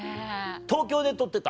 東京で撮ってた？